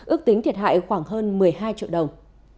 ước tính thiệt hại khoảng hơn một mươi hai triệu đồng